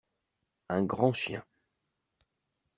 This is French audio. Un grand chien.